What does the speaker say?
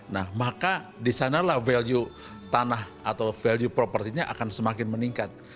nah maka di sanalah value tanah atau value propertinya akan semakin meningkat